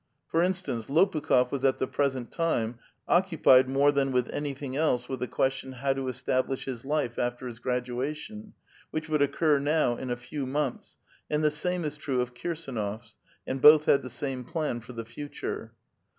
For instance, Lopukh6f was at the present time occupied more than with anything else with the question how to establish his life after his graduation, which would occur now in a few months, and the same is true of Kirsdnof ; and both hid the same plan for the future.